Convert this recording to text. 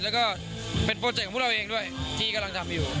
แล้วก็เป็นโปรเจคของพวกเราเองด้วยที่กำลังทำอยู่